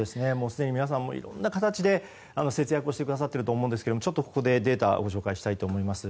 すでに皆さんいろんな形で節約をしてくださっていると思いますがここでデータをご紹介したいと思います。